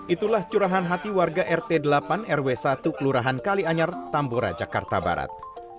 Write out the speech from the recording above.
itulah curahan hati warga rt delapan rw satu kelurahan kalianyar tambora jakarta barat